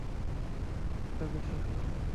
আমি এটা বিশ্বাস করিনা!